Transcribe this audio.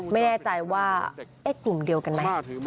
ไม่แน่ใจว่ากลุ่มเดียวกันไหม